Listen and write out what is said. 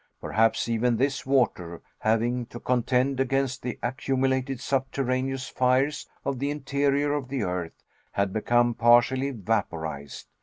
Perhaps even this water, having to contend against the accumulated subterraneous fires of the interior of the earth, had become partially vaporized.